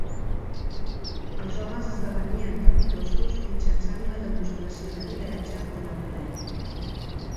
Els homes esdevenien capitostos mitjançant una demostració de lideratge o de poder.